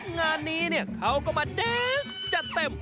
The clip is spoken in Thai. งานนี้เขาก็มาเดนส์จัดเต็ม